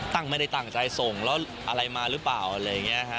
ตั้งไม่ได้ต่างใจส่งแล้วอะไรมารึเปล่าอะไรอย่างนี้ค่ะ